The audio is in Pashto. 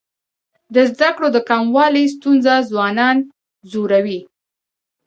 د زده کړو د کموالي ستونزه ځوانان ځوروي.